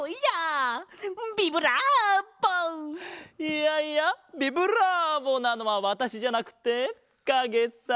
いやいやビブラーボなのはわたしじゃなくってかげさ。